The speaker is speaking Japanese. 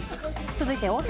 続いて、大阪。